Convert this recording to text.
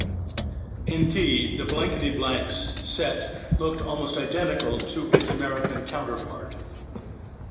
Indeed, the "Blankety Blanks" set looked almost identical to its American counterpart.